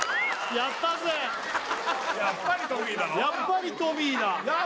やっぱりトミーだろ？